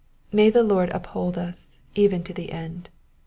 May the Lord uphold us even to the end.